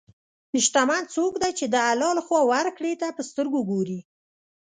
شتمن څوک دی چې د الله له خوا ورکړې ته په سترګو ګوري.